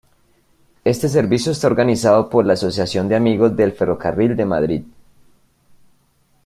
Este servicio está organizado por la Asociación de Amigos del Ferrocarril de Madrid.